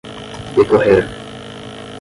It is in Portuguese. decorrer